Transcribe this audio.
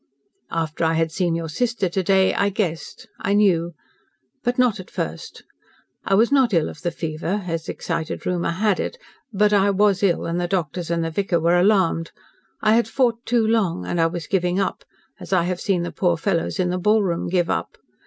"After I had seen your sister to day, I guessed I knew. But not at first. I was not ill of the fever, as excited rumour had it; but I was ill, and the doctors and the vicar were alarmed. I had fought too long, and I was giving up, as I have seen the poor fellows in the ballroom give up.